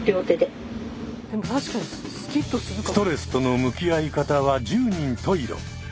ストレスとの向き合い方は十人十色。